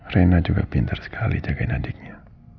rena juga pintar sekali jagain adiknya